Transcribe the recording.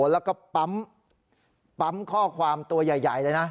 แล้วก็ปั๊มข้อความตัวใหญ่เลยนะ